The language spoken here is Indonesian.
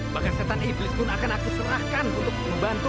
paket setan iblis pun akan aku serahkan untuk membantu